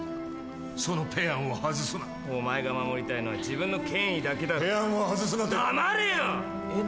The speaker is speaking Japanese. そのペアンを外すなお前が守りたいのは自分の権威だけだろペアンを外すなと黙れよ！